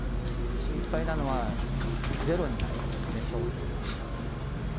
心配なのは、ゼロになることですね、商品が。